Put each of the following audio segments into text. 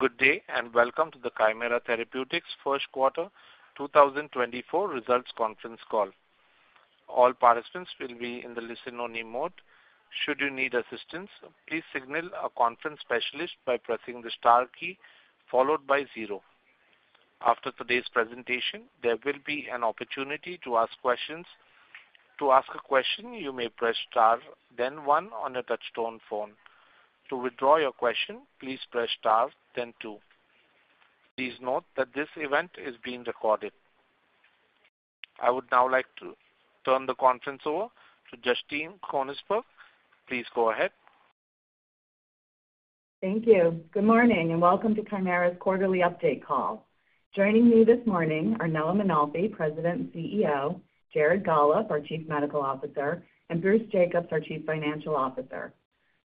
Good day, and welcome to the Kymera Therapeutics First Quarter 2024 Results Conference Call. All participants will be in the listen-only mode. Should you need assistance, please signal a conference specialist by pressing the star key followed by zero. After today's presentation, there will be an opportunity to ask questions. To ask a question, you may press star, then one on a touchtone phone. To withdraw your question, please press star, then two. Please note that this event is being recorded. I would now like to turn the conference over to Justine Koenigsberg. Please go ahead. Thank you. Good morning, and welcome to Kymera's quarterly update call. Joining me this morning are Nello Mainolfi, President and CEO, Jared Gollob, our Chief Medical Officer, and Bruce Jacobs, our Chief Financial Officer.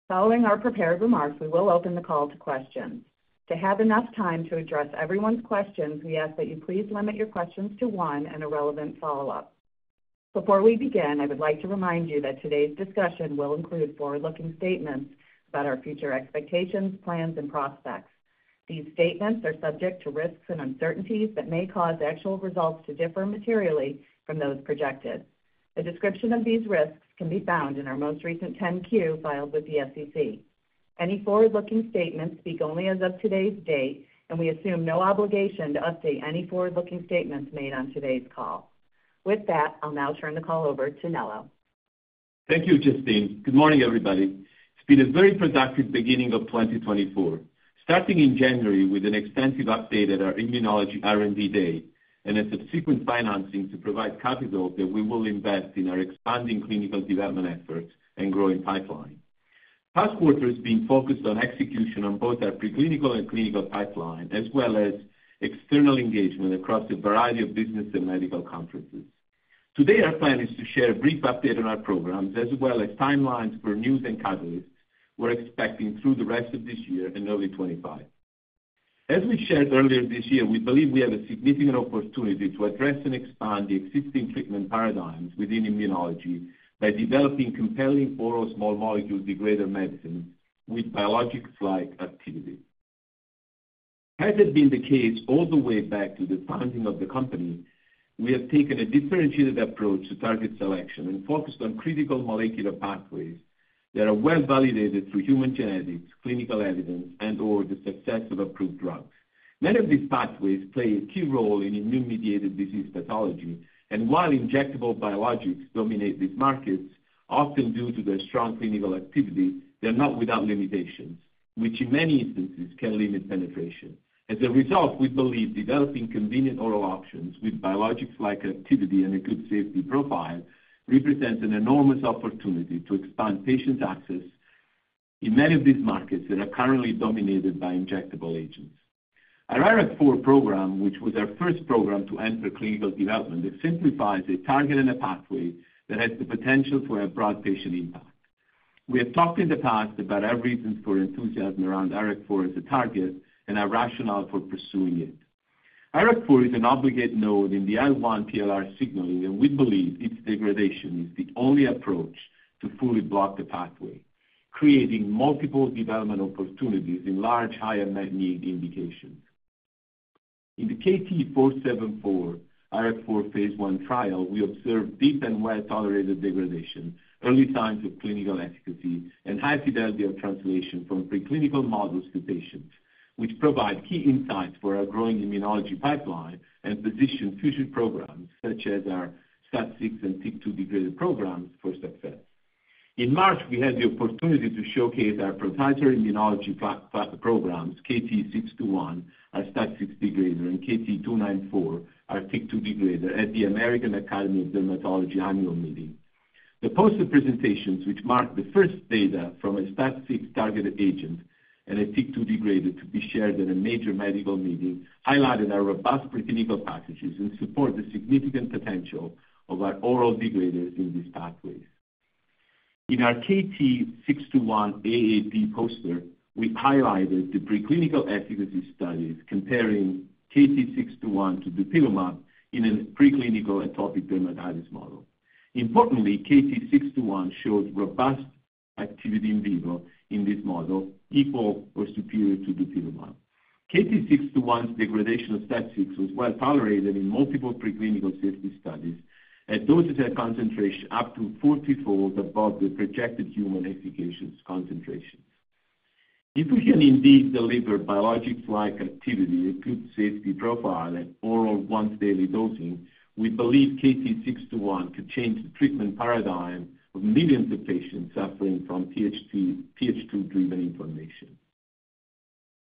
Following our prepared remarks, we will open the call to questions. To have enough time to address everyone's questions, we ask that you please limit your questions to one and a relevant follow-up. Before we begin, I would like to remind you that today's discussion will include forward-looking statements about our future expectations, plans, and prospects. These statements are subject to risks and uncertainties that may cause actual results to differ materially from those projected. A description of these risks can be found in our most recent 10-Q filed with the SEC. Any forward-looking statements speak only as of today's date, and we assume no obligation to update any forward-looking statements made on today's call. With that, I'll now turn the call over to Nello. Thank you, Justine. Good morning, everybody. It's been a very productive beginning of 2024, starting in January with an extensive update at our Immunology R&D Day and a subsequent financing to provide capital that we will invest in our expanding clinical development efforts and growing pipeline. Past quarter has been focused on execution on both our preclinical and clinical pipeline, as well as external engagement across a variety of business and medical conferences. Today, our plan is to share a brief update on our programs, as well as timelines for news and catalysts we're expecting through the rest of this year and early 2025. As we shared earlier this year, we believe we have a significant opportunity to address and expand the existing treatment paradigms within immunology by developing compelling oral small molecule degrader medicine with biologics-like activity. As has been the case all the way back to the founding of the company, we have taken a differentiated approach to target selection and focused on critical molecular pathways that are well-validated through human genetics, clinical evidence, and/or the success of approved drugs. Many of these pathways play a key role in immune-mediated disease pathology, and while injectable biologics dominate these markets, often due to their strong clinical activity, they're not without limitations, which in many instances can limit penetration. As a result, we believe developing convenient oral options with biologics like activity and a good safety profile represents an enormous opportunity to expand patients' access in many of these markets that are currently dominated by injectable agents. Our IRAK4 program, which was our first program to enter clinical development, exemplifies a target and a pathway that has the potential for a broad patient impact. We have talked in the past about our reasons for enthusiasm around IRAK4 as a target and our rationale for pursuing it. IRAK4 is an obligate node in the IL-1R/TLR signaling, and we believe its degradation is the only approach to fully block the pathway, creating multiple development opportunities in large, high unmet need indications. In the KT-474 IRAK4 phase I trial, we observed deep and well-tolerated degradation, early signs of clinical efficacy, and high fidelity of translation from preclinical models to patients, which provide key insights for our growing immunology pipeline and position future programs such as our STAT6 and TYK2 degrader programs for success. In March, we had the opportunity to showcase our proprietary immunology programs, KT-621, our STAT6 degrader, and KT-294, our TYK2 degrader, at the American Academy of Dermatology annual meeting. The poster presentations, which marked the first data from a STAT6-targeted agent and a TYK2 degrader to be shared at a major medical meeting, highlighted our robust preclinical packages and support the significant potential of our oral degraders in these pathways. In our KT-621 AAD poster, we highlighted the preclinical efficacy studies comparing KT-621 to dupilumab in a preclinical atopic dermatitis model. Importantly, KT-621 showed robust activity in vivo in this model, equal or superior to dupilumab. KT-621's degradation of STAT6 was well tolerated in multiple preclinical safety studies at dosage concentration up to 40-fold above the projected human efficacious concentrations. If we can indeed deliver biologics-like activity, a good safety profile at oral once daily dosing, we believe KT-621 could change the treatment paradigm of millions of patients suffering from Th2-driven inflammation.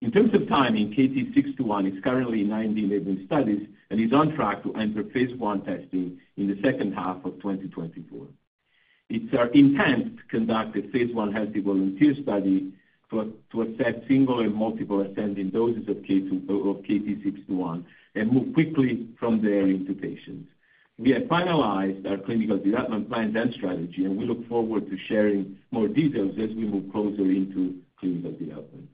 In terms of timing, KT-621 is currently in IND-enabling studies and is on track to enter phase I testing in the second half of 2024. It's our intent to conduct a phase I healthy volunteer study to assess single and multiple ascending doses of KT-621 and move quickly from there into patients. We have finalized our clinical development plan and strategy, and we look forward to sharing more details as we move closer into clinical development.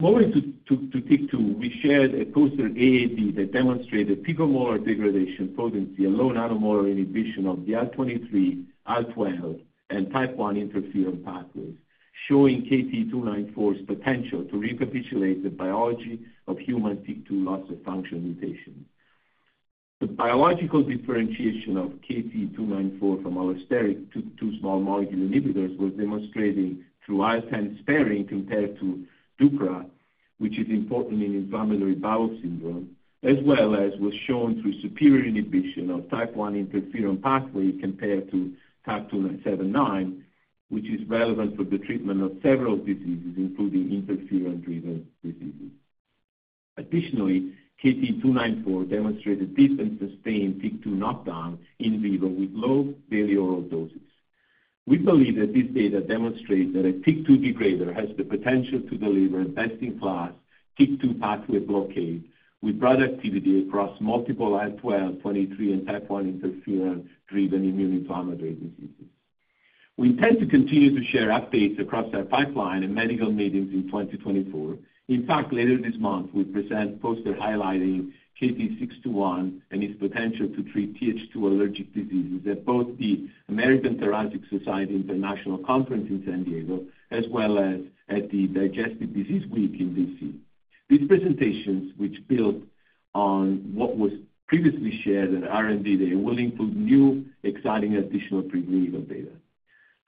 Moving to take two, we shared a poster at AAP that demonstrated picomolar degradation, potency and low nanomolar inhibition of the IL-23, IL-12, and type 1 interferon pathways, showing KT-294's potential to recapitulate the biology of human TYK2 loss-of-function mutations. The biological differentiation of KT-294 from allosteric TYK2 small molecule inhibitors was demonstrated through IL-10 sparing compared to dupilumab, which is important in inflammatory bowel syndrome, as well as was shown through superior inhibition of type 1 interferon pathway compared to TAK-279, which is relevant for the treatment of several diseases, including interferon-driven diseases. Additionally, KT-294 demonstrated deep and sustained TYK2 knockdown in vivo with low daily oral doses. We believe that this data demonstrates that a TYK2 degrader has the potential to deliver best-in-class TYK2 pathway blockade with broad activity across multiple IL-12, IL-23, and type 1 interferon-driven immune inflammatory diseases. We intend to continue to share updates across our pipeline in medical meetings in 2024. In fact, later this month, we present poster highlighting KT-621 and its potential to treat Th2 allergic diseases at both the American Thoracic Society International Conference in San Diego, as well as at the Digestive Disease Week in D.C. These presentations, which build on what was previously shared at R&D Day, will include new, exciting, additional pre-clinical data.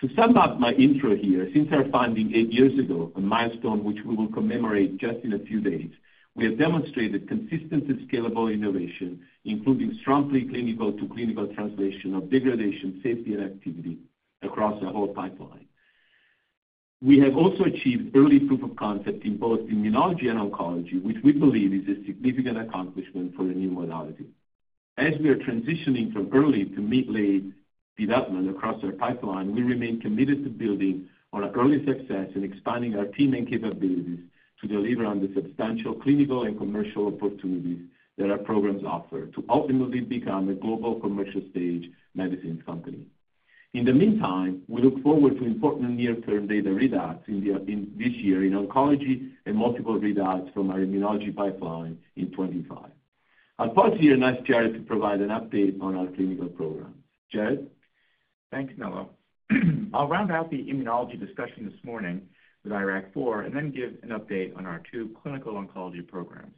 To sum up my intro here, since our founding eight years ago, a milestone which we will commemorate just in a few days, we have demonstrated consistent and scalable innovation, including strongly clinical to clinical translation of degradation, safety, and activity across our whole pipeline. We have also achieved early proof of concept in both immunology and oncology, which we believe is a significant accomplishment for the new modality. As we are transitioning from early to mid-late development across our pipeline, we remain committed to building on our early success and expanding our team and capabilities to deliver on the substantial clinical and commercial opportunities that our programs offer, to ultimately become a global commercial-stage medicine company. In the meantime, we look forward to important near-term data readouts in this year in oncology and multiple readouts from our immunology pipeline in 2025. I'll pause here, and ask Jared to provide an update on our clinical program. Jared? Thanks, Noah. I'll round out the immunology discussion this morning with IRAK4, and then give an update on our two clinical oncology programs.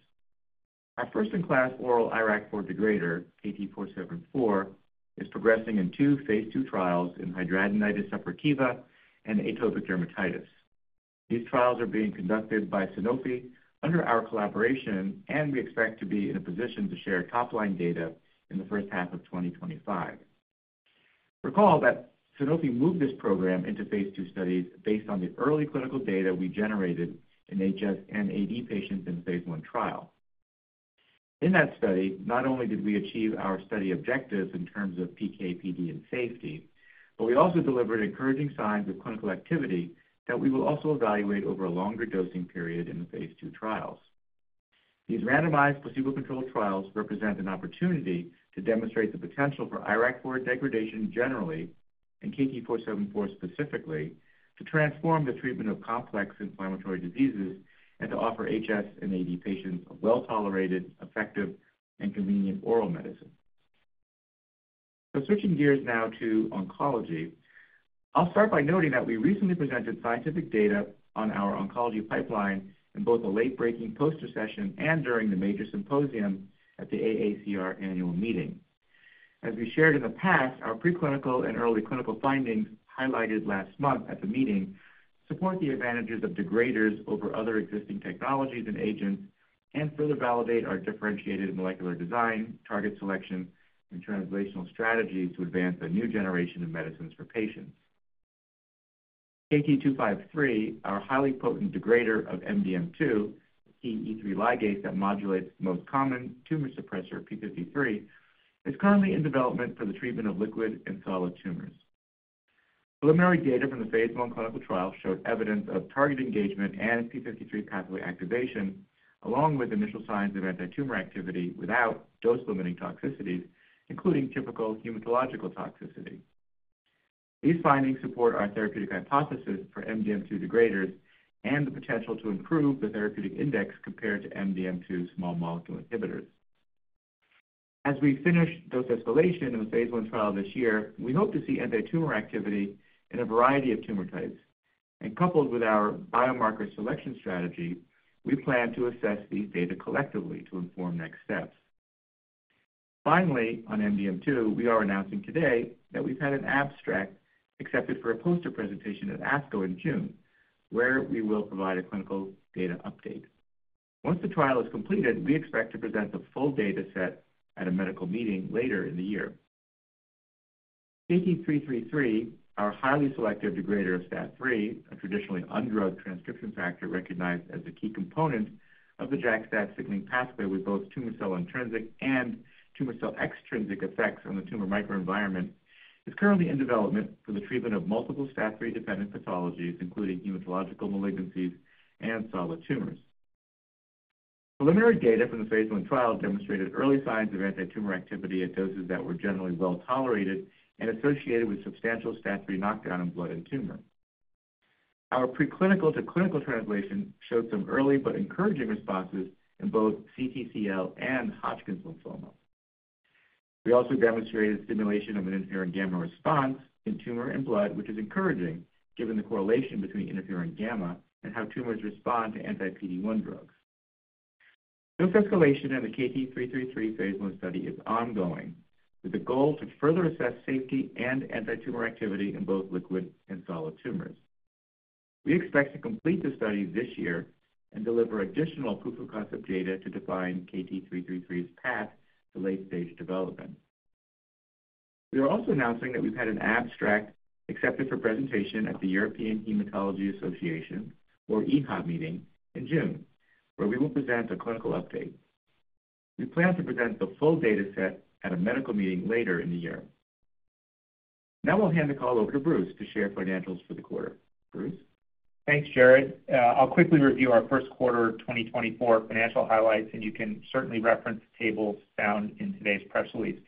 Our first-in-class oral IRAK4 degrader, KT474, is progressing in two phase II trials in hidradenitis suppurativa and atopic dermatitis. These trials are being conducted by Sanofi under our collaboration, and we expect to be in a position to share top-line data in the first half of 2025. Recall that Sanofi moved this program into phase II studies based on the early clinical data we generated in HS and AD patients in phase I trial. In that study, not only did we achieve our study objectives in terms of PK, PD, and safety, but we also delivered encouraging signs of clinical activity that we will also evaluate over a longer dosing period in the phase II trials. These randomized, placebo-controlled trials represent an opportunity to demonstrate the potential for IRAK4 degradation generally, and KT-474 specifically, to transform the treatment of complex inflammatory diseases and to offer HS and AD patients a well-tolerated, effective, and convenient oral medicine. Switching gears now to oncology. I'll start by noting that we recently presented scientific data on our oncology pipeline in both a late-breaking poster session and during the major symposium at the AACR annual meeting. As we shared in the past, our preclinical and early clinical findings, highlighted last month at the meeting, support the advantages of degraders over other existing technologies and agents, and further validate our differentiated molecular design, target selection, and translational strategies to advance a new generation of medicines for patients. KT253, our highly potent degrader of MDM2, an E3 ligase that modulates the most common tumor suppressor, p53, is currently in development for the treatment of liquid and solid tumors. Preliminary data from the phase I clinical trial showed evidence of target engagement and p53 pathway activation, along with initial signs of antitumor activity without dose-limiting toxicities, including typical hematological toxicity. These findings support our therapeutic hypothesis for MDM2 degraders and the potential to improve the therapeutic index compared to MDM2 small molecule inhibitors. As we finish dose escalation in the phase I trial this year, we hope to see antitumor activity in a variety of tumor types, and coupled with our biomarker selection strategy, we plan to assess these data collectively to inform next steps. Finally, on MDM2, we are announcing today that we've had an abstract accepted for a poster presentation at ASCO in June, where we will provide a clinical data update. Once the trial is completed, we expect to present the full data set at a medical meeting later in the year. KT-333, our highly selective degrader of STAT3, a traditionally undrugged transcription factor recognized as a key component of the JAK-STAT signaling pathway with both tumor cell intrinsic and tumor cell extrinsic effects on the tumor microenvironment, is currently in development for the treatment of multiple STAT3-dependent pathologies, including hematological malignancies and solid tumors. Preliminary data from the phase I trial demonstrated early signs of antitumor activity at doses that were generally well-tolerated and associated with substantial STAT3 knockdown in blood and tumor. Our preclinical to clinical translation showed some early but encouraging responses in both CTCL and Hodgkin's lymphoma. We also demonstrated stimulation of an interferon gamma response in tumor and blood, which is encouraging, given the correlation between interferon gamma and how tumors respond to anti-PD-1 drugs. Dose escalation in the KT-333 phase I study is ongoing, with the goal to further assess safety and antitumor activity in both liquid and solid tumors. We expect to complete the study this year and deliver additional proof of concept data to define KT-333's path to late-stage development. We are also announcing that we've had an abstract accepted for presentation at the European Hematology Association, or EHA Meeting in June, where we will present a clinical update. We plan to present the full data set at a medical meeting later in the year. Now I'll hand the call over to Bruce to share financials for the quarter. Bruce? Thanks, Jared. I'll quickly review our first quarter 2024 financial highlights, and you can certainly reference the tables found in today's press release.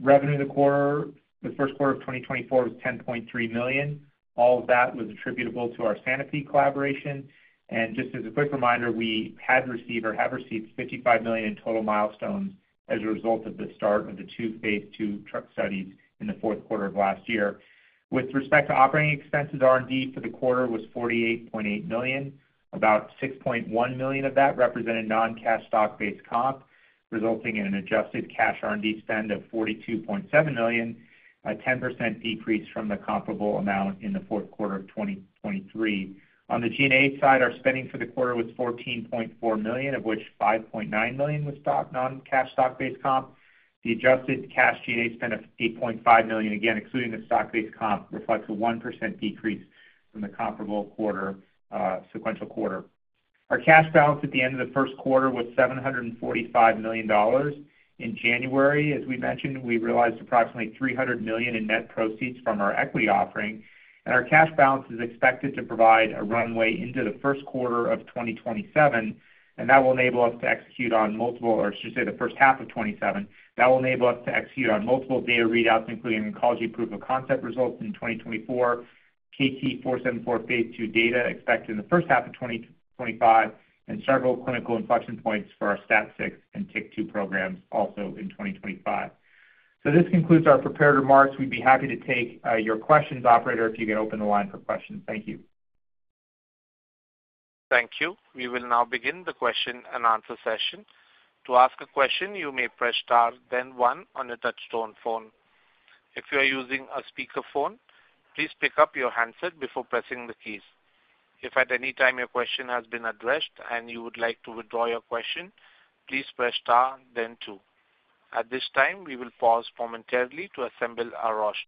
Revenue in the quarter, the first quarter of 2024, was $10.3 million. All of that was attributable to our Sanofi collaboration. And just as a quick reminder, we had received or have received $55 million in total milestones as a result of the start of the two phase II trials in the fourth quarter of last year. With respect to operating expenses, R&D for the quarter was $48.8 million. About $6.1 million of that represented non-cash stock-based comp, resulting in an adjusted cash R&D spend of $42.7 million, a 10% decrease from the comparable amount in the fourth quarter of 2023. On the GA side, our spending for the quarter was $14.4 million, of which $5.9 million was stock-based comp. The adjusted cash GA spend of $8.5 million, again, excluding the stock-based comp, reflects a 1% decrease from the comparable quarter, sequential quarter. Our cash balance at the end of the first quarter was $745 million. In January, as we mentioned, we realized approximately $300 million in net proceeds from our equity offering, and our cash balance is expected to provide a runway into the first quarter of 2027, and that will enable us to execute on multiple, or I should say, the first half of 2027. That will enable us to execute on multiple data readouts, including oncology proof of concept results in 2024, KT-474 phase II data expected in the first half of 2025, and several clinical inflection points for our STAT6 and TYK2 programs also in 2025. So this concludes our prepared remarks. We'd be happy to take your questions. Operator, if you could open the line for questions. Thank you. Thank you. We will now begin the question-and-answer session. To ask a question, you may press star, then one on your touchtone phone. If you are using a speakerphone, please pick up your handset before pressing the keys. If at any time your question has been addressed and you would like to withdraw your question, please press star, then two. At this time, we will pause momentarily to assemble our roster.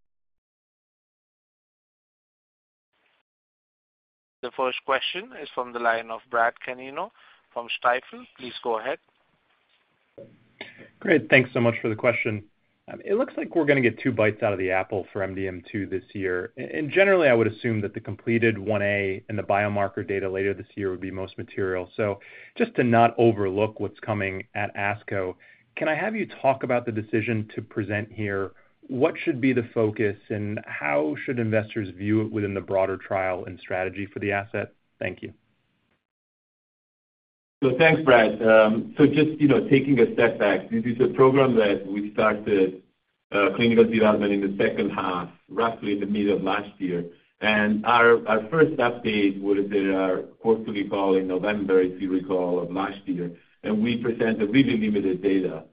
The first question is from the line of Brad Canino from Stifel. Please go ahead. Great. Thanks so much for the question. It looks like we're gonna get two bites out of the apple for MDM2 this year. And generally, I would assume that the completed one A and the biomarker data later this year would be most material. So just to not overlook what's coming at ASCO, can I have you talk about the decision to present here? What should be the focus, and how should investors view it within the broader trial and strategy for the asset? Thank you. So thanks, Brad. So just, you know, taking a step back, this is a program that we started clinical development in the second half, roughly in the middle of last year. And our first update was at our quarterly call in November, if you recall, of last year, and we presented really limited data.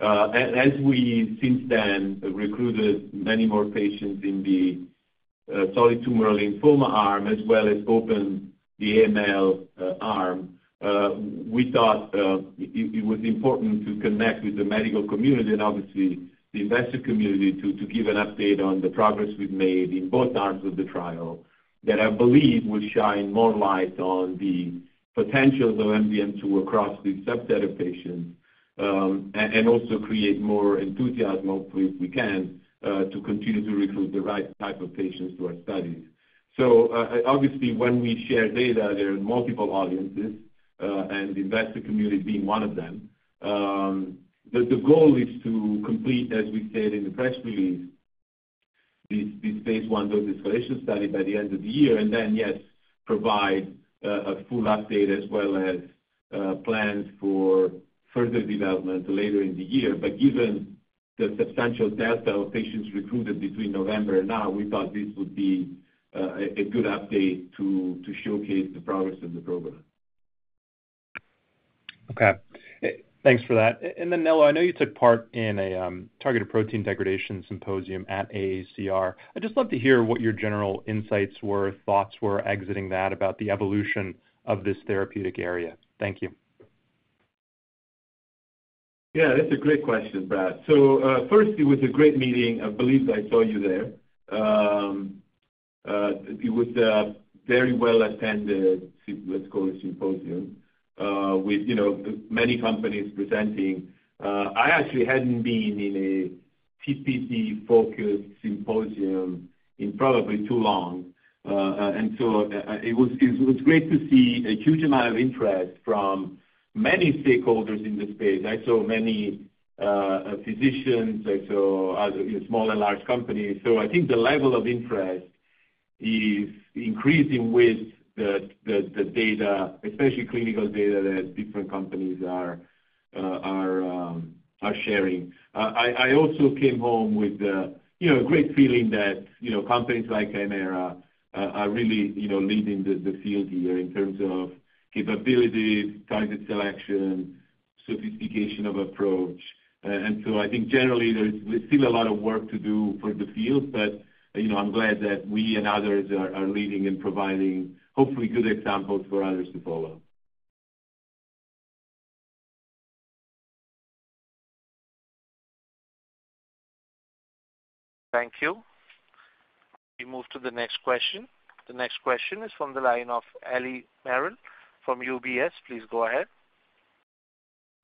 As we since then recruited many more patients in the solid tumor lymphoma arm, as well as opened the AML arm, we thought it was important to connect with the medical community and obviously the investor community, to give an update on the progress we've made in both arms of the trial, that I believe will shine more light on the potentials of MDM2 across this subset of patients, and also create more enthusiasm, hopefully, if we can to continue to recruit the right type of patients to our studies. So, obviously, when we share data, there are multiple audiences, and the investor community being one of them. But the goal is to complete, as we said in the press release, this phase I dose-escalation study by the end of the year, and then, yes, provide a full update, as well as plans for further development later in the year. But given the substantial depth of patients recruited between November and now, we thought this would be a good update to showcase the progress of the program. Okay, thanks for that. And then, Nello, I know you took part in a targeted protein degradation symposium at AACR. I'd just love to hear what your general insights were, thoughts were exiting that about the evolution of this therapeutic area. Thank you. Yeah, that's a great question, Brad. So, first, it was a great meeting. I believe I saw you there. It was a very well-attended, let's call it, symposium, with, you know, many companies presenting. I actually hadn't been in a TPD-focused symposium in probably too long, and so it was great to see a huge amount of interest from many stakeholders in the space. I saw many physicians. I saw other small and large companies. So I think the level of interest is increasing with the data, especially clinical data that different companies are sharing. I also came home with a, you know, great feeling that, you know, companies like Kymera are really, you know, leading the field here in terms of capabilities, target selection, sophistication of approach. I think generally there's still a lot of work to do for the field, but, you know, I'm glad that we and others are leading and providing hopefully good examples for others to follow. Thank you. We move to the next question. The next question is from the line of Eliana Merle from UBS. Please go ahead.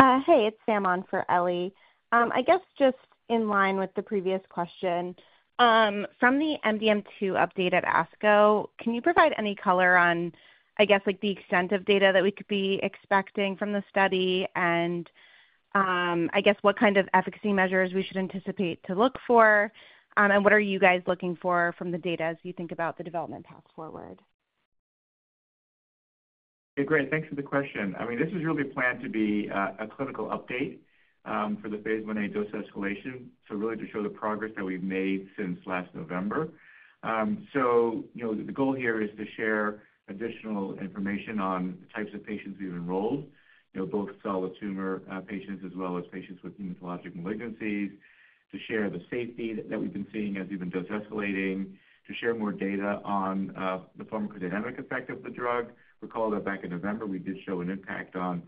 Hey, it's Sam on for Ellie. I guess just in line with the previous question, from the MDM2 update at ASCO, can you provide any color on, I guess, like, the extent of data that we could be expecting from the study? And, I guess what kind of efficacy measures we should anticipate to look for, and what are you guys looking for from the data as you think about the development path forward? Hey, great, thanks for the question. I mean, this is really planned to be a clinical update for the phase Ia dose escalation, so really to show the progress that we've made since last November. So you know, the goal here is to share additional information on the types of patients we've enrolled, you know, both solid tumor patients, as well as patients with hematologic malignancies. To share the safety that we've been seeing as we've been dose escalating, to share more data on the pharmacodynamic effect of the drug. Recall that back in November, we did show an impact on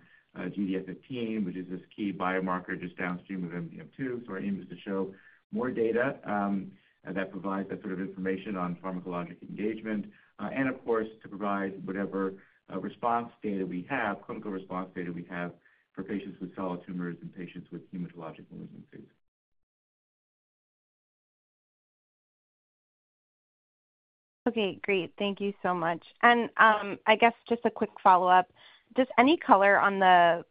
GDF-15, which is this key biomarker just downstream of MDM2. Our aim is to show more data that provides that sort of information on pharmacologic engagement, and of course, to provide whatever response data we have, clinical response data we have for patients with solid tumors and patients with hematologic malignancies. Okay, great. Thank you so much. I guess just a quick follow-up. Just any color on the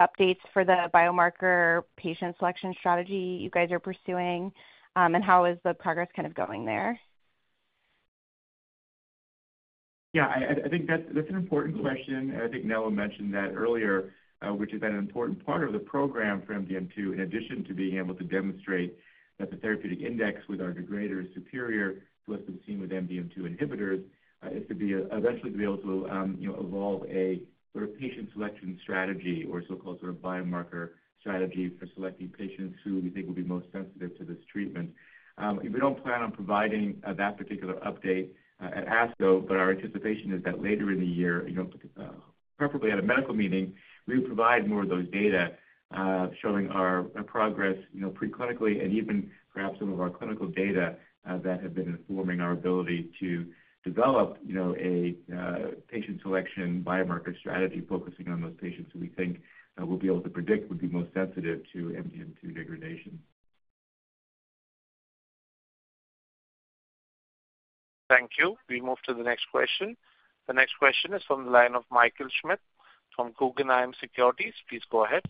updates for the biomarker patient selection strategy you guys are pursuing, and how is the progress kind of going there? Yeah, I think that's an important question, and I think Nello mentioned that earlier, which is an important part of the program for MDM2, in addition to being able to demonstrate that the therapeutic index with our degrader is superior to what's been seen with MDM2 inhibitors. Is to eventually be able to, you know, evolve a sort of patient selection strategy or so-called sort of biomarker strategy for selecting patients who we think will be most sensitive to this treatment. We don't plan on providing that particular update at ASCO, but our anticipation is that later in the year, you know, preferably at a medical meeting, we provide more of those data showing our progress, you know, pre-clinically and even perhaps some of our clinical data that have been informing our ability to develop, you know, a patient selection biomarker strategy, focusing on those patients who we think we'll be able to predict would be most sensitive to MDM2 degradation. Thank you. We move to the next question. The next question is from the line of Michael Schmidt from Guggenheim Securities. Please go ahead.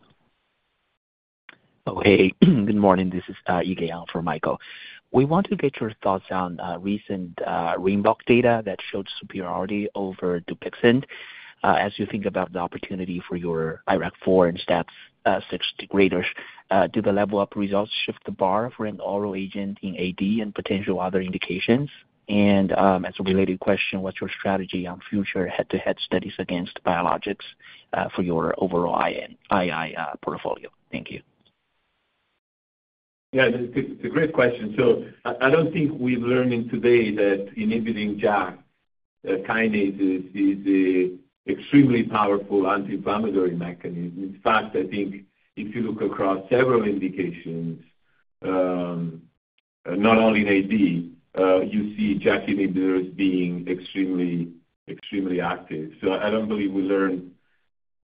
Oh, hey, good morning. This is Yike Dai for Michael Schmidt. We want to get your thoughts on recent Rinvoq data that showed superiority over Dupixent. As you think about the opportunity for your IRAK4 and STAT6 degraders, do the level of results shift the bar for an oral agent in AD and potential other indications? And, as a related question, what's your strategy on future head-to-head studies against biologics for your overall I&I portfolio? Thank you. Yeah, it's a great question. So I don't think we've learned today that inhibiting JAK kinases is an extremely powerful anti-inflammatory mechanism. In fact, I think if you look across several indications, not only in AD, you see JAK inhibitors being extremely, extremely active. So I don't believe we learned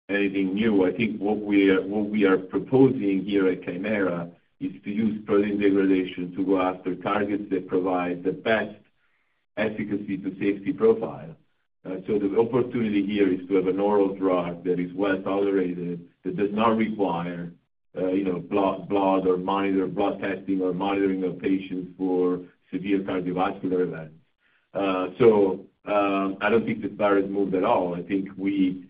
anything new. I think what we are, what we are proposing here at Kymera is to use protein degradation to go after targets that provide the best efficacy to safety profile. So the opportunity here is to have an oral drug that is well tolerated, that does not require, you know, blood monitoring or blood testing or monitoring of patients for severe cardiovascular events. So I don't think the bar is moved at all. I think the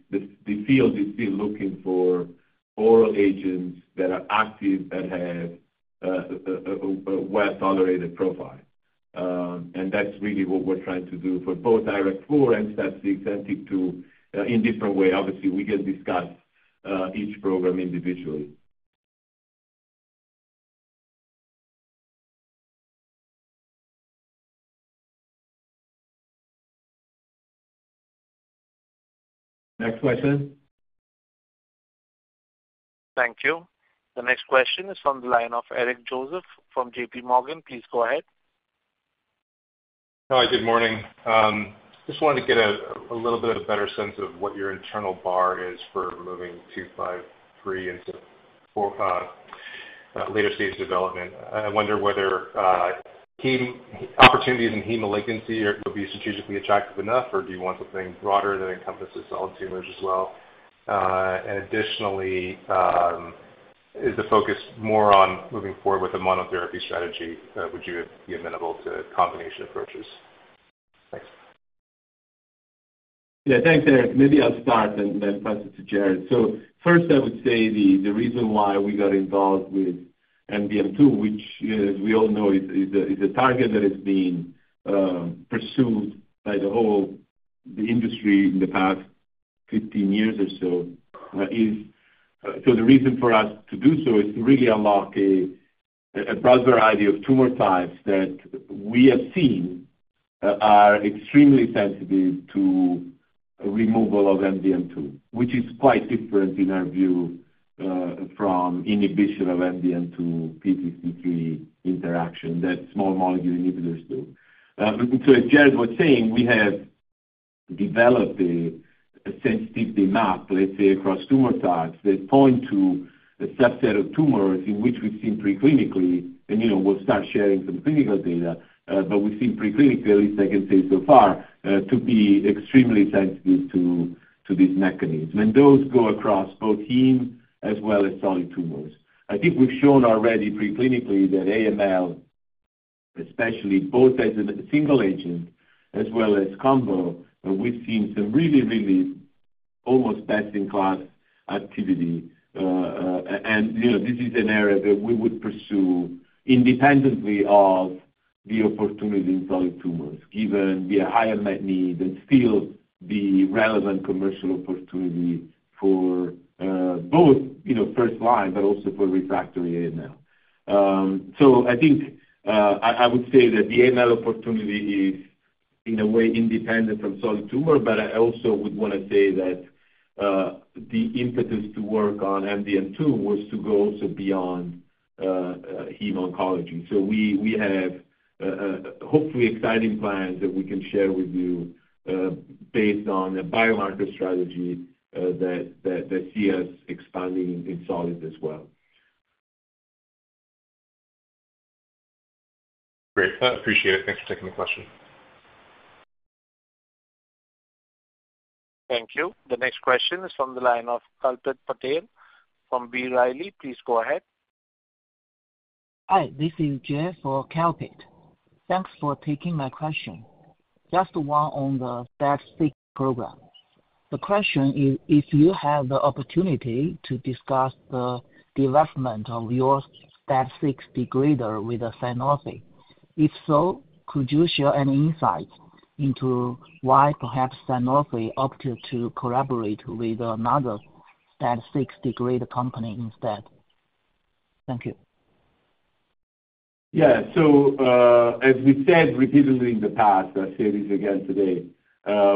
field is still looking for oral agents that are active, that have a well-tolerated profile. And that's really what we're trying to do for both IRAK4 and STAT6, I think, in different way. Obviously, we can discuss each program individually. Next question. Thank you. The next question is from the line of Eric Joseph from J.P. Morgan. Please go ahead. Hi, good morning. Just wanted to get a little bit of a better sense of what your internal bar is for moving 253 into 4 later stage development. I wonder whether hem opportunities in hem malignancy are will be strategically attractive enough, or do you want something broader that encompasses solid tumors as well? And additionally is the focus more on moving forward with the monotherapy strategy, would you be amenable to combination approaches? Thanks. Yeah, thanks, Eric. Maybe I'll start and then pass it to Jared. So first, I would say the reason why we got involved with MDM2, which, as we all know, is a target that has been pursued by the industry in the past 15 years or so, is. So the reason for us to do so is to really unlock a broad variety of tumor types that we have seen are extremely sensitive to removal of MDM2, which is quite different, in our view, from inhibition of MDM2 p53 interaction that small molecule inhibitors do. So as Jared was saying, we have developed a sensitivity map, let's say, across tumor types, that point to a subset of tumors in which we've seen preclinically, and, you know, we'll start sharing some clinical data, but we've seen preclinically, I can say so far, to be extremely sensitive to this mechanism. And those go across both heme as well as solid tumors. I think we've shown already preclinically that AML, especially both as a single agent as well as combo, we've seen some really, really almost best-in-class activity. And, you know, this is an area that we would pursue independently of the opportunity in solid tumors, given the high unmet need and still the relevant commercial opportunity for both, you know, first line, but also for refractory AML. So I think I would say that the AML opportunity is, in a way, independent from solid tumor, but I also would wanna say that the impetus to work on MDM2 was to go also beyond hemoncology. So we have hopefully exciting plans that we can share with you based on a biomarker strategy that see us expanding in solid as well. Great. I appreciate it. Thanks for taking the question. Thank you. The next question is from the line of Kalpit Patel from B. Riley. Please go ahead. Hi, this is Jeff for Kalpit. Thanks for taking my question. Just one on the STAT6 program. The question is, if you have the opportunity to discuss the development of your STAT6 degrader with Sanofi? If so, could you share any insight into why perhaps Sanofi opted to collaborate with another STAT6 degrader company instead? Thank you. Yeah. So, as we've said repeatedly in the past, I'll say this again today,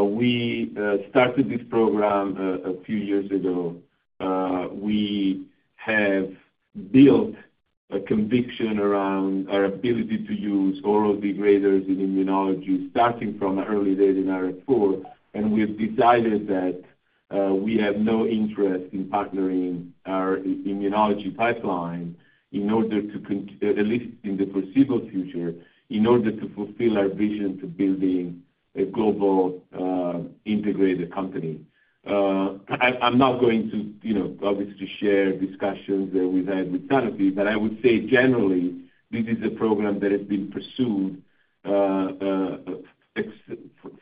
we started this program a few years ago. We have built a conviction around our ability to use oral degraders in immunology, starting from early days in RF four, and we have decided that we have no interest in partnering our immunology pipeline at least in the foreseeable future, in order to fulfill our vision to building a global, integrated company. I'm not going to, you know, obviously, share discussions that we've had with Sanofi, but I would say generally, this is a program that has been pursued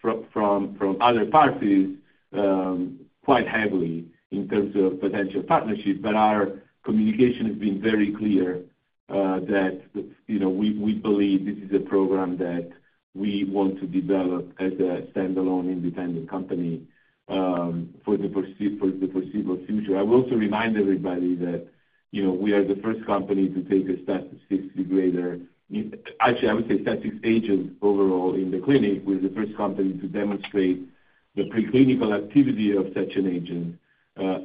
from other parties quite heavily in terms of potential partnerships. But our communication has been very clear, that, you know, we, we believe this is a program that we want to develop as a standalone, independent company, for the foreseeable future. I will also remind everybody that, you know, we are the first company to take a STAT6 degrader. Actually, I would say STAT6 agent overall in the clinic, we're the first company to demonstrate the preclinical activity of such an agent.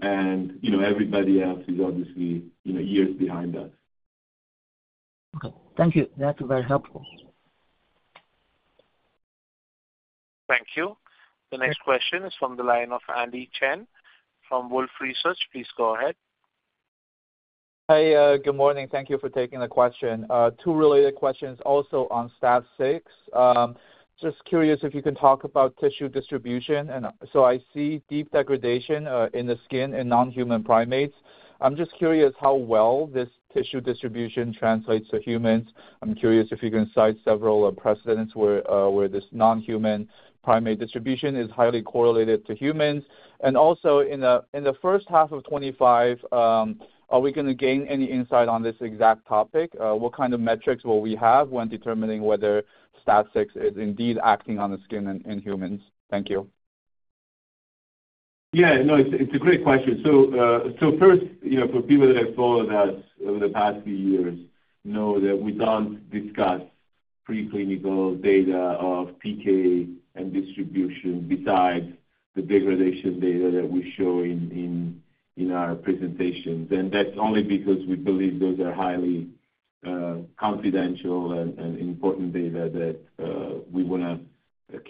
And, you know, everybody else is obviously, you know, years behind us. Okay. Thank you. That's very helpful. Thank you. The next question is from the line of Andy Chen from Wolfe Research. Please go ahead. Hi, good morning. Thank you for taking the question. Two related questions, also on STAT6. Just curious if you can talk about tissue distribution. And so I see deep degradation in the skin in non-human primates. I'm just curious how well this tissue distribution translates to humans. I'm curious if you can cite several precedents where this non-human primate distribution is highly correlated to humans. And also in the first half of 2025, are we gonna gain any insight on this exact topic? What kind of metrics will we have when determining whether STAT6 is indeed acting on the skin in humans? Thank you. Yeah. No, it's, it's a great question. So, so first, you know, for people that have followed us over the past few years, know that we don't discuss preclinical data of PK and distribution besides the degradation data that we show in our presentations. And that's only because we believe those are highly, confidential and important data that, we wanna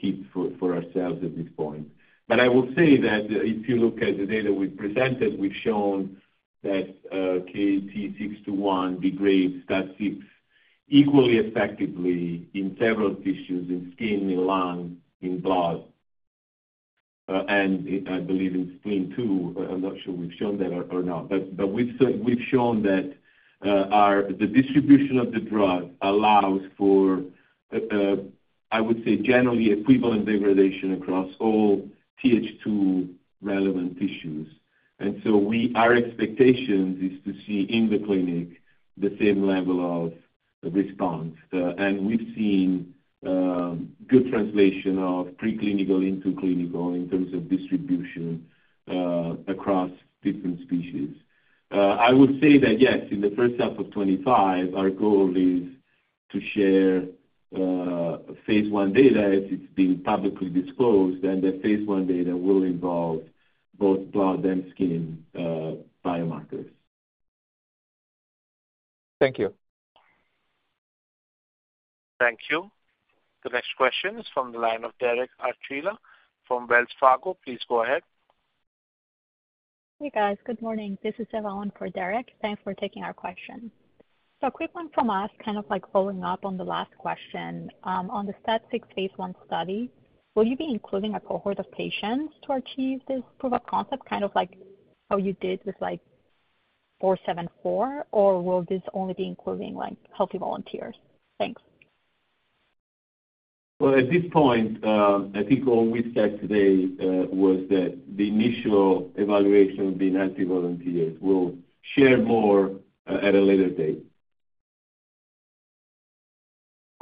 keep for, ourselves at this point. But I will say that if you look at the data we presented, we've shown that, KT-621 degrades STAT6 equally effectively in several tissues, in skin, in lung, in blood and I believe in spleen too. I'm not sure we've shown that or not. But, we've shown that, the distribution of the drug allows for, I would say, generally equivalent degradation across all Th2 relevant tissues. Our expectation is to see in the clinic the same level of response. And we've seen good translation of preclinical into clinical in terms of distribution across different species. I would say that, yes, in the first half of 2025, our goal is to share phase I data, as it's been publicly disclosed, and the phase I data will involve both blood and skin biomarkers. Thank you. Thank you. The next question is from the line of Derek Archila from Wells Fargo. Please go ahead. Hey, guys. Good morning. This is Evelyn for Derek. Thanks for taking our question. So a quick one from us, kind of like following up on the last question. On the STAT6 phase I study, will you be including a cohort of patients to achieve this proof of concept, kind of like how you did with, like, 474? Or will this only be including, like, healthy volunteers? Thanks. Well, at this point, I think all we've said today was that the initial evaluation will be in healthy volunteers. We'll share more at a later date.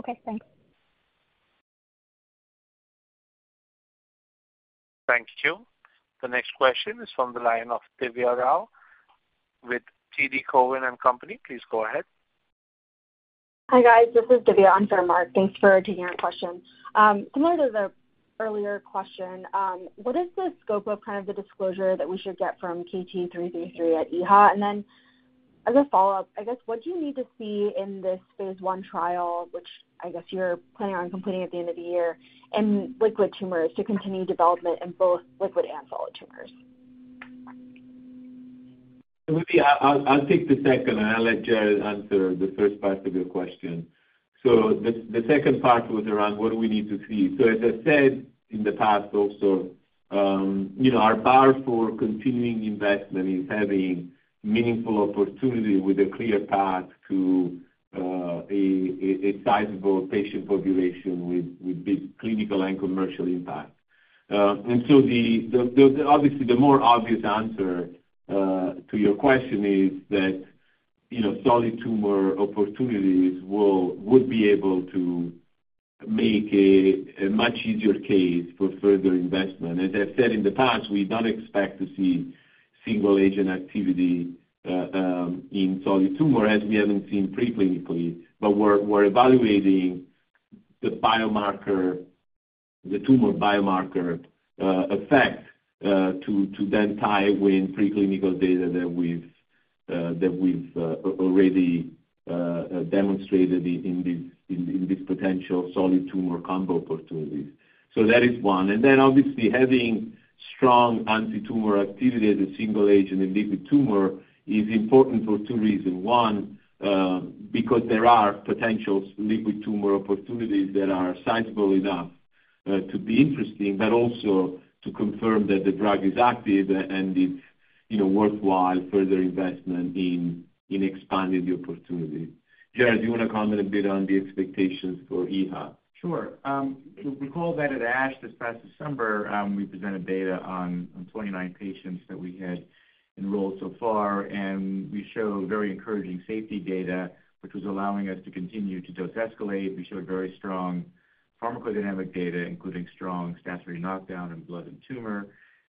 Okay, thanks. Thank you. The next question is from the line of Divya Rao with TD Cowen and Company. Please go ahead. Hi, guys. This is Divya. I'm for Marc. Thanks for taking our question. Similar to the earlier question, what is the scope of kind of the disclosure that we should get from KT-333 at EHA? And then as a follow-up, I guess, what do you need to see in this phase I trial, which I guess you're planning on completing at the end of the year, in liquid tumors to continue development in both liquid and solid tumors? Divya, I'll take the second, and I'll let Jared answer the first part of your question. So the second part was around what do we need to see? So as I said in the past also, you know, our bar for continuing investment is having meaningful opportunity with a clear path to a sizable patient population with big clinical and commercial impact. And so the obviously more obvious answer to your question is that, you know, solid tumor opportunities would be able to make a much easier case for further investment. As I've said in the past, we don't expect to see single-agent activity in solid tumor, as we haven't seen preclinically. But we're evaluating the biomarker, the tumor biomarker, effect, to then tie with preclinical data that we've already demonstrated in this potential solid tumor combo opportunities. So that is one. And then obviously, having strong antitumor activity as a single agent in liquid tumor is important for two reasons. One, because there are potential liquid tumor opportunities that are sizable enough to be interesting, but also to confirm that the drug is active and is, you know, worthwhile further investment in expanding the opportunity. Jared, do you want to comment a bit on the expectations for EHA? Sure. If you recall back at ASH this past December, we presented data on 29 patients that we had enrolled so far, and we showed very encouraging safety data, which was allowing us to continue to dose escalate. We showed very strong pharmacodynamic data, including strong STAT3 knockdown in blood and tumor,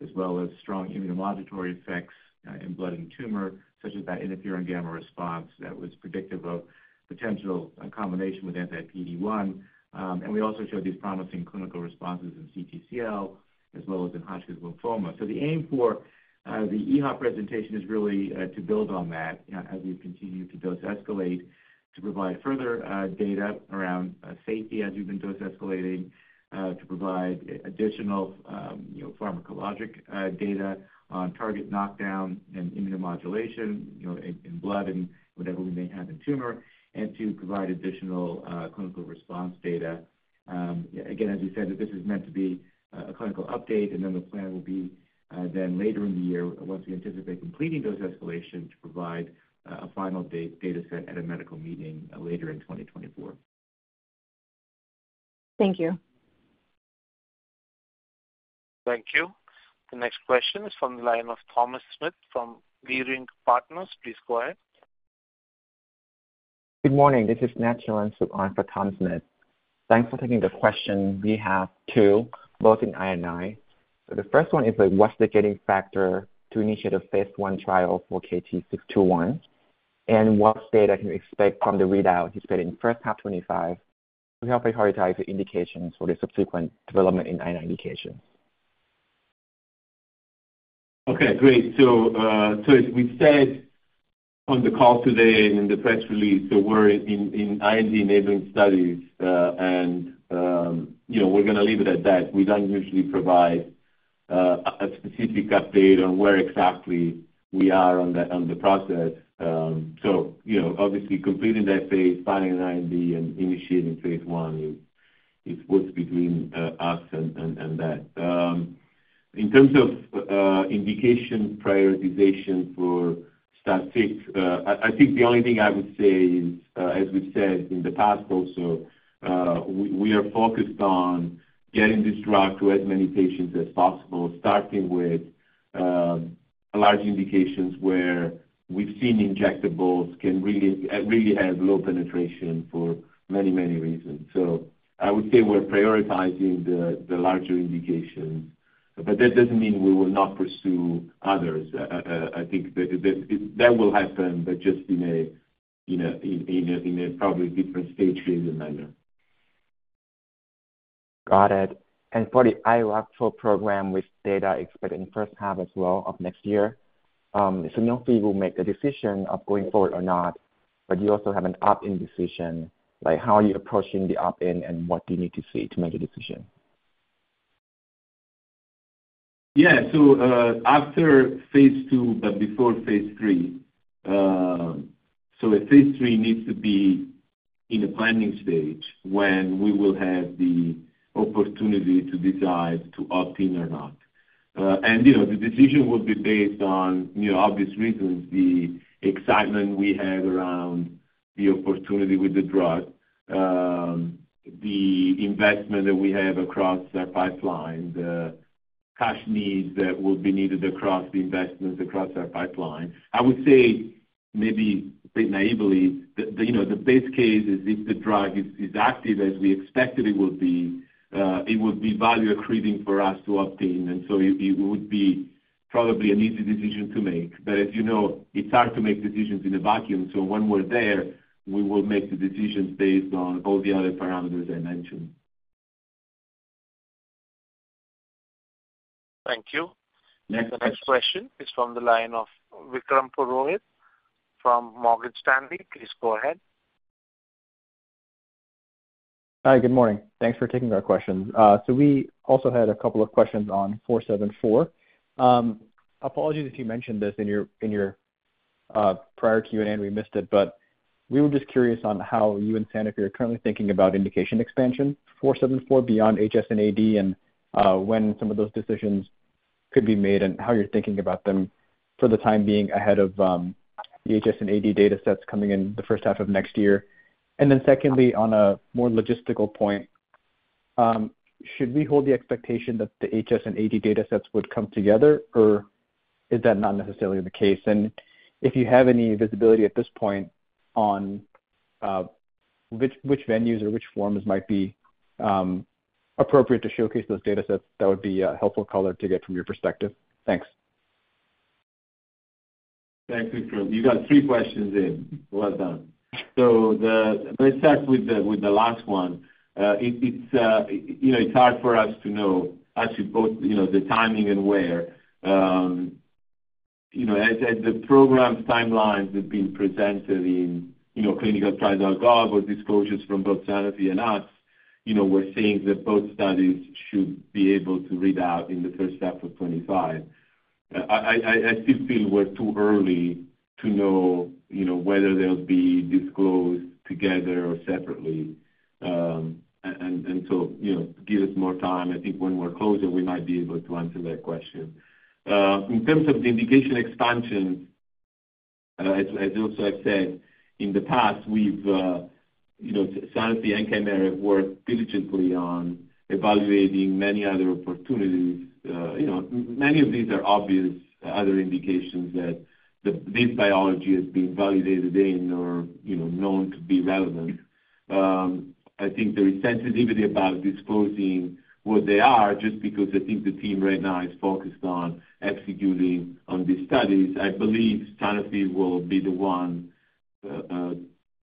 as well as strong immunomodulatory effects in blood and tumor, such as that interferon gamma response that was predictive of potential in combination with anti-PD-1. And we also showed these promising clinical responses in CTCL as well as in Hodgkin's lymphoma. So the aim for the EHA presentation is really to build on that as we continue to dose escalate, to provide further data around safety as we've been dose escalating, to provide additional, you know, pharmacologic data on target knockdown and immunomodulation, you know, in blood and whatever we may have in tumor, and to provide additional clinical response data. Again, as you said, that this is meant to be a clinical update, and then the plan will be then later in the year, once we anticipate completing those escalation, to provide a final data dataset at a medical meeting later in 2024. Thank you. Thank you. The next question is from the line of Thomas Smith from Leerink Partners. Please go ahead. Good morning. This is Niculin Suban for Thomas Smith. Thanks for taking the question. We have two, both in I and I. So the first one is, what's the gating factor to initiate a phase I trial for KT-621? And what data can we expect from the readout expected in first half 2025 to help prioritize the indications for the subsequent development in I&I indication? Okay, great. So, so as we've said on the call today and in the press release, so we're in IND-enabling studies, and, you know, we're gonna leave it at that. We don't usually provide a specific update on where exactly we are on the process. So, you know, obviously completing that phase, filing an IND and initiating phase I is what's between us and that. In terms of indication prioritization for STAT-6, I think the only thing I would say is, as we've said in the past also, we are focused on getting this drug to as many patients as possible, starting with large indications where we've seen injectables can really really have low penetration for many, many reasons. So I would say we're prioritizing the larger indications, but that doesn't mean we will not pursue others. I think that will happen, but just in a probably different stage, phase, and manner. Got it. For the IRAK4 program, with data expected in the first half as well of next year, so know if you will make a decision of going forward or not, but you also have an opt-in decision. Like, how are you approaching the opt-in, and what do you need to see to make a decision? Yeah. So, after phase II, but before phase III, so a phase III needs to be in the planning stage when we will have the opportunity to decide to opt in or not. And, you know, the decision will be based on, you know, obvious reasons, the excitement we have around the opportunity with the drug, the investment that we have across our pipeline, the cash needs that will be needed across the investments, across our pipeline. I would say, maybe a bit naively, that, you know, the base case is if the drug is, is active as we expected it would be, it would be value accreting for us to opt in, and so it, it would be probably an easy decision to make. As you know, it's hard to make decisions in a vacuum, so when we're there, we will make the decisions based on all the other parameters I mentioned. Thank you. Thank you. The next question is from the line of Vikram Purohit from Morgan Stanley. Please go ahead. Hi, good morning. Thanks for taking our questions. So we also had a couple of questions on 474. Apologies if you mentioned this in your prior Q&A, and we missed it, but we were just curious on how you and Sanofi are currently thinking about indication expansion, 474 beyond HS and AD, and when some of those decisions could be made and how you're thinking about them for the time being ahead of the HS and AD data sets coming in the first half of next year. And then secondly, on a more logistical point, should we hold the expectation that the HS and AD data sets would come together, or is that not necessarily the case? If you have any visibility at this point on which venues or which forums might be appropriate to showcase those data sets, that would be a helpful color to get from your perspective. Thanks. Thanks, Vikram. You got three questions in. Well done. So the-- let's start with the, with the last one. It, it's, you know, it's hard for us to know actually both, you know, the timing and where. You know, as, as the program's timelines have been presented in, you know, clinicaltrials.gov or disclosures from both Sanofi and us, you know, we're seeing that both studies should be able to read out in the first half of 2025. I still feel we're too early to know, you know, whether they'll be disclosed together or separately. And, and, and so, you know, give us more time. I think when we're closer, we might be able to answer that question. In terms of the indication expansion, as also I've said in the past, we've, you know, Sanofi and Kymera worked diligently on evaluating many other opportunities. You know, many of these are obvious other indications that this biology is being validated in or, you know, known to be relevant. I think there is sensitivity about disclosing what they are, just because I think the team right now is focused on executing on these studies. I believe Sanofi will be the one,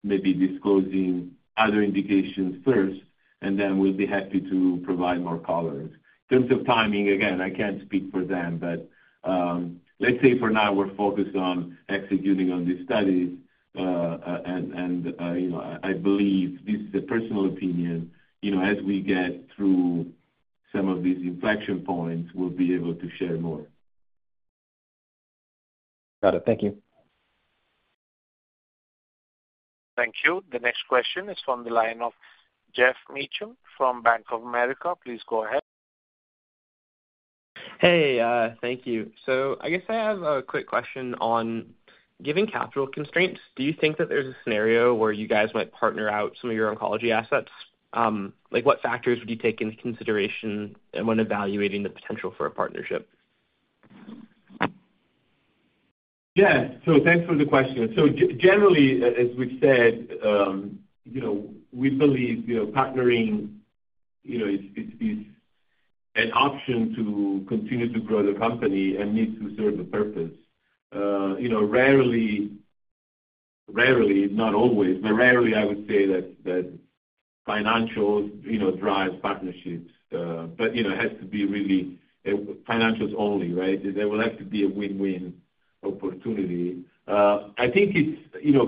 maybe disclosing other indications first, and then we'll be happy to provide more color. In terms of timing, again, I can't speak for them, but, let's say for now we're focused on executing on these studies. You know, I believe this is a personal opinion. You know, as we get through some of these inflection points, we'll be able to share more. Got it. Thank you. Thank you. The next question is from the line of Geoff Meacham from Bank of America. Please go ahead. Hey, thank you. I guess I have a quick question on given capital constraints, do you think that there's a scenario where you guys might partner out some of your oncology assets? Like, what factors would you take into consideration and when evaluating the potential for a partnership? Yeah. So thanks for the question. So generally, as we've said, you know, we believe, you know, partnering, you know, it's an option to continue to grow the company and needs to serve a purpose. You know, rarely, rarely, not always, but rarely I would say that financials, you know, drive partnerships. But, you know, it has to be really financials only, right? There will have to be a win-win opportunity. I think it's, you know,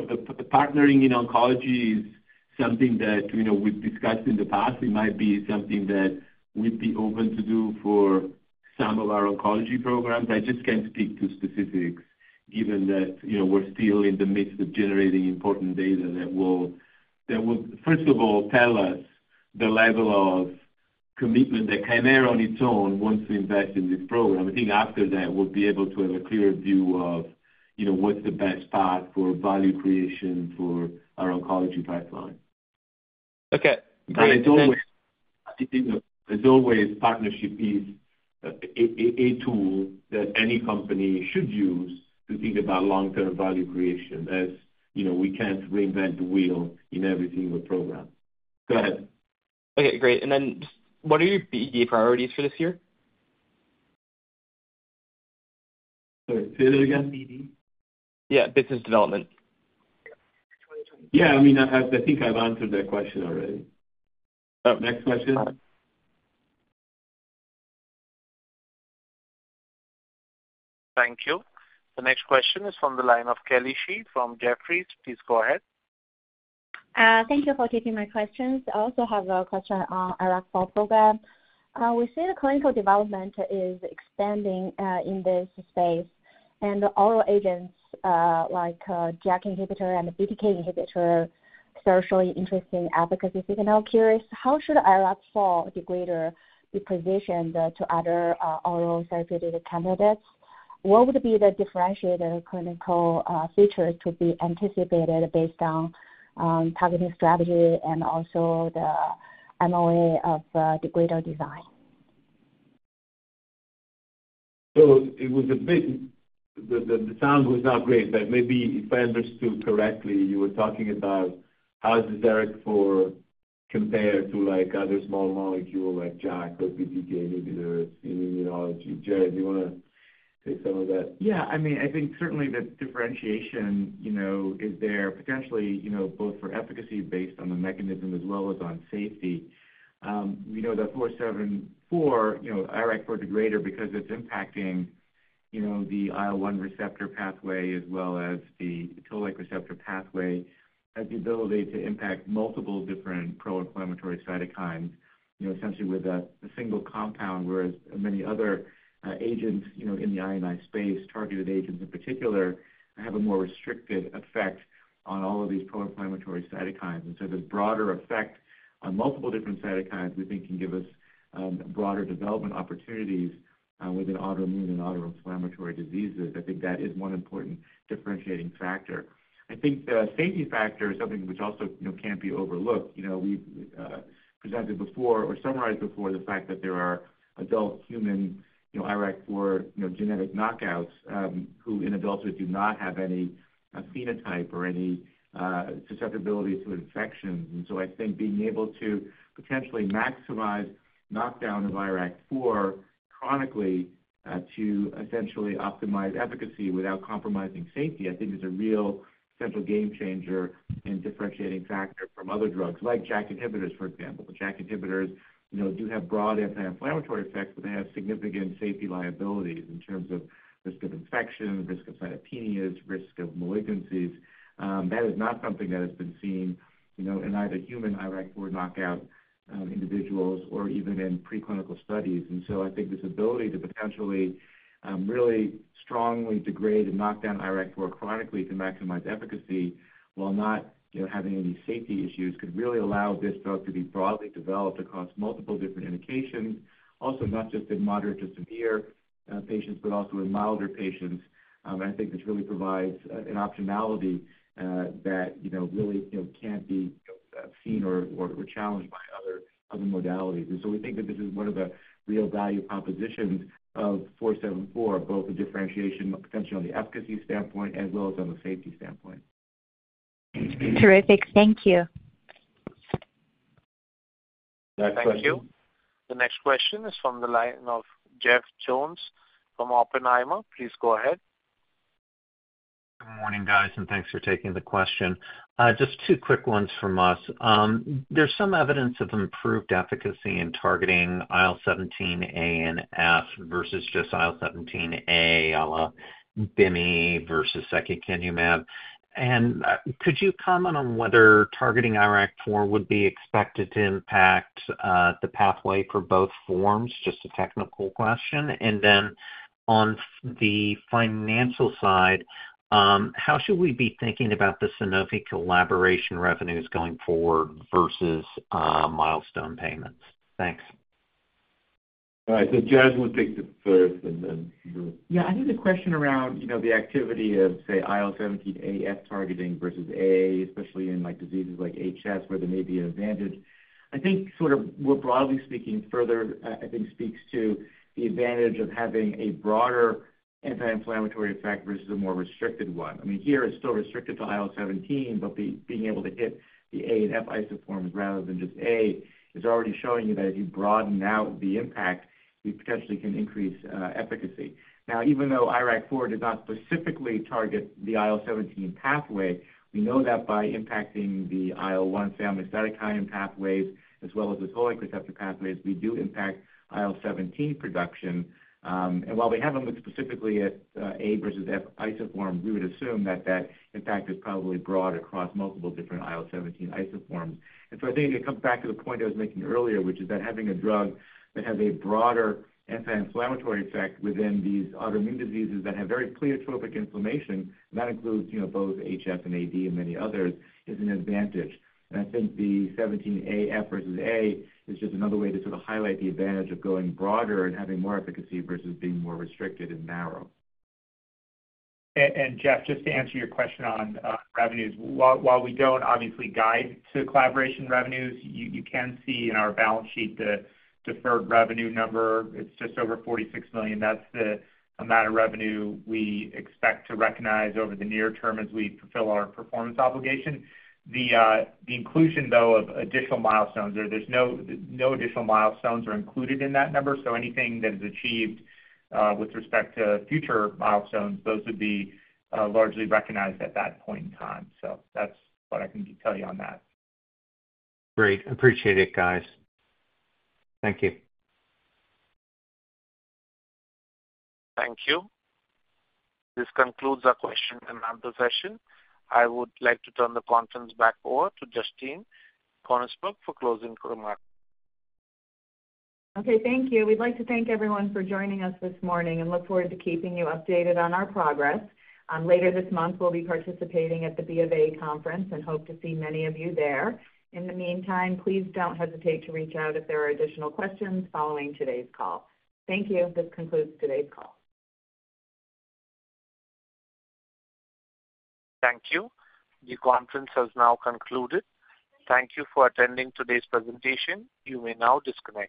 partnering in oncology is something that, you know, we've discussed in the past. It might be something that we'd be open to do for some of our oncology programs. I just can't speak to specifics, given that, you know, we're still in the midst of generating important data that will first of all tell us the level of commitment that Kymera, on its own, wants to invest in this program. I think after that, we'll be able to have a clearer view of, you know, what's the best path for value creation for our oncology pipeline. Okay, great. As always, I think as always, partnership is a tool that any company should use to think about long-term value creation, as you know, we can't reinvent the wheel in every single program. Go ahead. Okay, great. And then just what are your BD priorities for this year? Sorry, say that again? BD. Yeah, business development. Yeah, I mean, I have. I think I've answered that question already. Next question. Thank you. The next question is from the line of Kelly Shi from Jefferies. Please go ahead. Thank you for taking my questions. I also have a question on IRAK4 program. We see the clinical development is expanding in this space, and oral agents like JAK inhibitor and BTK inhibitor, such as interesting efficacy signal. Curious, how should IRAK4 degrader be positioned to other oral therapeutic candidates? What would be the differentiator clinical features to be anticipated based on targeting strategy and also the MOA of degrader design? So it was a bit. The sound was not great, but maybe if I understood correctly, you were talking about how does IRAK4 compare to, like, other small molecule like JAK or BTK inhibitors in immunology. Jared, do you wanna take some of that? Yeah, I mean, I think certainly the differentiation, you know, is there potentially, you know, both for efficacy based on the mechanism as well as on safety. We know that 474, you know, IRAK4 degrader, because it's impacting, you know, the IL-1 receptor pathway as well as the Toll-like receptor pathway, has the ability to impact multiple different pro-inflammatory cytokines, you know, essentially with a single compound, whereas many other agents, you know, in the INI space, targeted agents in particular, have a more restricted effect on all of these pro-inflammatory cytokines. And so the broader effect on multiple different cytokines, we think, can give us broader development opportunities within autoimmune and autoinflammatory diseases. I think that is one important differentiating factor. I think the safety factor is something which also, you know, can't be overlooked. You know, we've presented before or summarized before, the fact that there are adult human, you know, IRAK4, you know, genetic knockouts, who in adulthood do not have any, phenotype or any, susceptibility to infections. And so I think being able to potentially maximize knockdown of IRAK4 chronically, to essentially optimize efficacy without compromising safety, I think is a real central game changer and differentiating factor from other drugs, like JAK inhibitors, for example. JAK inhibitors, you know, do have broad anti-inflammatory effects, but they have significant safety liabilities in terms of risk of infection, risk of cytopenias, risk of malignancies. That is not something that has been seen, you know, in either human IRAK4 knockout, individuals or even in preclinical studies. I think this ability to potentially really strongly degrade and knock down IRAK4 chronically to maximize efficacy while not, you know, having any safety issues, could really allow this drug to be broadly developed across multiple different indications. Also, not just in moderate to severe patients, but also in milder patients. I think this really provides an optionality that, you know, really, you know, can't be seen or challenged by other modalities. And so we think that this is one of the real value propositions of KT-474, both the differentiation potentially on the efficacy standpoint as well as on the safety standpoint. Terrific. Thank you. Next question. Thank you. The next question is from the line of Jeff Jones from Oppenheimer. Please go ahead. Good morning, guys, and thanks for taking the question. Just two quick ones from us. There's some evidence of improved efficacy in targeting IL-17A and IL-17F versus just IL-17A, à la Bimi versus secukinumab. Could you comment on whether targeting IRAK4 would be expected to impact the pathway for both forms? Just a technical question. And then on the financial side, how should we be thinking about the Sanofi collaboration revenues going forward versus milestone payments? Thanks. All right, so Jared will take the first and then you. Yeah, I think the question around, you know, the activity of, say, IL-17F targeting versus IL-17A, especially in, like, diseases like HS, where there may be an advantage. I think sort of more broadly speaking, further, I think speaks to the advantage of having a broader anti-inflammatory effect versus a more restricted one. I mean, here it's still restricted to IL-17, but being able to hit the IL-17A and IL-17F isoforms rather than just IL-17A, is already showing you that if you broaden out the impact, you potentially can increase efficacy. Now, even though IRAK4 does not specifically target the IL-17 pathway, we know that by impacting the IL-1 family cytokine pathways as well as the toll-like receptor pathways, we do impact IL-17 production. While we haven't looked specifically at A versus F isoform, we would assume that that impact is probably broad across multiple different IL-17 isoforms. So I think it comes back to the point I was making earlier, which is that having a drug that has a broader anti-inflammatory effect within these autoimmune diseases that have very pleiotropic inflammation, that includes, you know, both HS and AD and many others, is an advantage. And I think the 17 AF versus A is just another way to sort of highlight the advantage of going broader and having more efficacy versus being more restricted and narrow. Jeff, just to answer your question on revenues. While we don't obviously guide to collaboration revenues, you can see in our balance sheet the deferred revenue number, it's just over $46 million. That's the amount of revenue we expect to recognize over the near term as we fulfill our performance obligation. The inclusion, though, of additional milestones, or there's no additional milestones included in that number, so anything that is achieved with respect to future milestones, those would be largely recognized at that point in time. So that's what I can tell you on that. Great. Appreciate it, guys. Thank you. Thank you. This concludes our question and answer session. I would like to turn the conference back over to Justine Koenigsberg for closing remarks. Okay, thank you. We'd like to thank everyone for joining us this morning and look forward to keeping you updated on our progress. Later this month, we'll be participating at the BofA conference and hope to see many of you there. In the meantime, please don't hesitate to reach out if there are additional questions following today's call. Thank you. This concludes today's call. Thank you. The conference has now concluded. Thank you for attending today's presentation. You may now disconnect.